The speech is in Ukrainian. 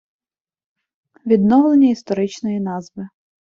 Відновлення історичної назви.